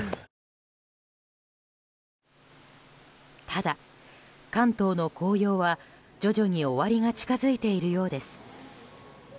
ただ、関東の紅葉は徐々に終わりが近づいているようです。